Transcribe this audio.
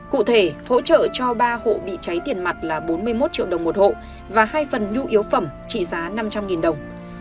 cụ thể hỗ trợ cho ba hộ bị cháy tiền mặt là bốn mươi một triệu đồng một hộ và hai phần nhu yếu phẩm trị giá năm trăm linh đồng